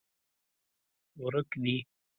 ورک دي